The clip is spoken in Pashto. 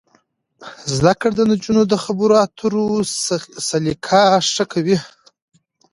زده کړه د نجونو د خبرو اترو سلیقه ښه کوي.